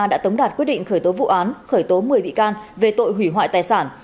đã tống đạt quyết định khởi tố vụ án khởi tố một mươi bị can về tội hủy hoại tài sản